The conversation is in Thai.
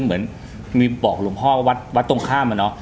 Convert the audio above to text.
เหมือนมีบอกหลวงพ่อว่าวัดตรงข้ามอะเนาะ